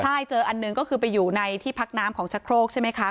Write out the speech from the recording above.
ใช่เจออันหนึ่งก็คือไปอยู่ในที่พักน้ำของชะโครกใช่ไหมคะ